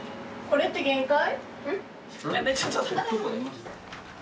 これって限界？